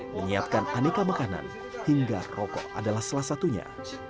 menyiapkan aneka makanan hingga rokok adalah salah satunya